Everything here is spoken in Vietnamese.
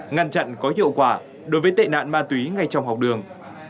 ngăn chặn có hiệu quả đối với tệ nạn ma túy ngay trong học đường